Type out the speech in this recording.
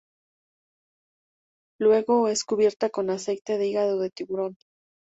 Luego es cubierta con aceite de hígado de tiburón.